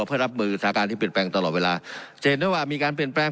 เพื่อรับมือสถานการณ์ที่เปลี่ยนแปลงตลอดเวลาจะเห็นได้ว่ามีการเปลี่ยนแปลง